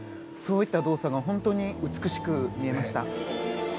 そういった動作が本当に美しく見えました。